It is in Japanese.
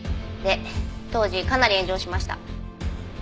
で当時かなり炎上しました。